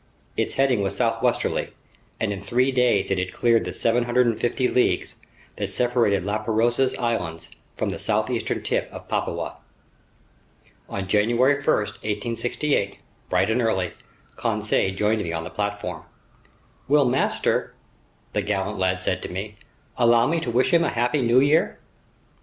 Its heading was southwesterly, and in three days it had cleared the 750 leagues that separated La Pérouse's islands from the southeastern tip of Papua. On January 1, 1868, bright and early, Conseil joined me on the platform. "Will master," the gallant lad said to me, "allow me to wish him a happy new year?"